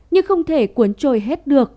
nhưng không thể cuốn trôi hết được